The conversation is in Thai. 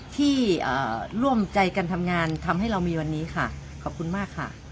ที่ร่วมใจกันทำงานทำให้เรามีวันนี้ค่ะขอบคุณมากค่ะ